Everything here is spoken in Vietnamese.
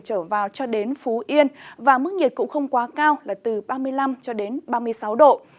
trở vào cho đến phú yên và mức nhiệt cũng không quá cao là từ ba mươi năm cho đến ba mươi sáu độ